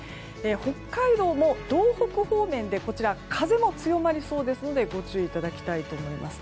北海道も道北方面で風も強まりそうですのでご注意いただきたいと思います。